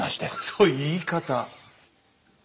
その言い方。